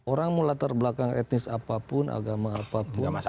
orang mau latar belakang etnis apapun agama apapun